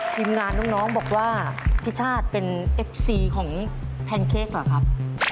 ทีมงานน้องบอกว่าพี่ชาติเป็นเอฟซีของแพนเค้กเหรอครับ